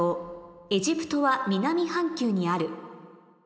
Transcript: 「エジプトは南半球にある」